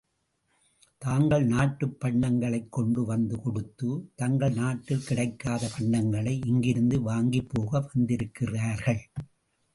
தங்கள் நாட்டுப் பண்டங்களை கொண்டு வந்து கொடுத்து, தங்கள் நாட்டில் கிடைக்காத பண்டங்களை இங்கிருந்து வாங்கிப் போக வந்திருக்கிறார்கள்.